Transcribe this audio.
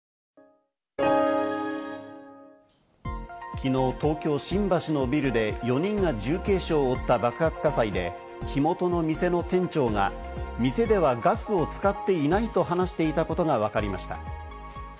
きのう東京・新橋のビルで４人が重軽傷を負った爆発火災で、火元の店の店長が、店ではガスを使っていないと話していたことがわかりました。